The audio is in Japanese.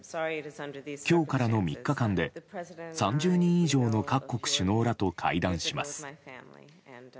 今日からの３日間で３０人以上の各国首脳らと対談します。